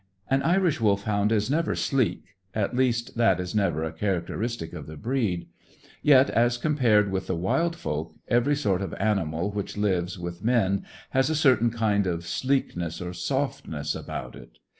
An Irish Wolfhound is never sleek; at least, that is never a characteristic of the breed. Yet, as compared with the wild folk, every sort of animal which lives with men has a certain kind of sleekness or softness about it.